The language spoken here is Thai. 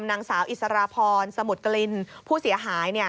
นางสาวอิสรพรสมุทรกลินผู้เสียหาย